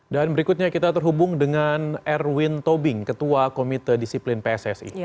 dan berikutnya kita terhubung dengan erwin tobing ketua komite disiplin pssi